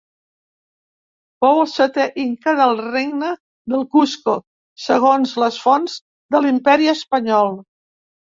Fou el setè inca del regne del Cusco, segons les fonts de l'Imperi Espanyol.